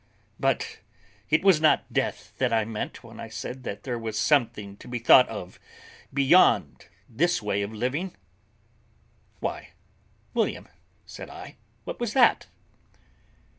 But it was not death that I meant when I said that there was something to be thought of beyond this way of living." "Why, William," said I, "what was that?"